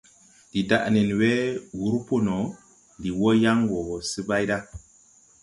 Ndi daʼ nen we wúr pō no, ndi wɔ yan wɔɔ se bay da.